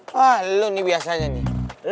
wah lu nih biasanya nih